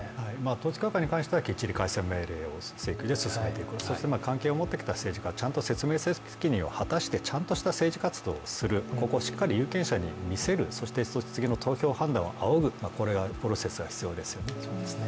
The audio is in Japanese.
統一教会に関してはきっちり解散命令請求を進めていく、関係のあった政治家たちはちゃんと説明責任を果たして、ちゃんとした政治活動をする、ここをしっかり有権者に見せる、そして投票判断をあおぐというプロセスが必要ですよね。